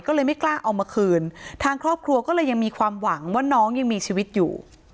ก็เลยไม่กล้าเอามาคืนทางครอบครัวก็เลยยังมีความหวังว่าน้องยังมีชีวิตอยู่